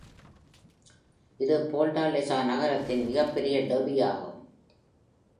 இது ஃபோர்டாலெஸா நகரத்தின் மிகப்பெரிய டெர்பி ஆகும்.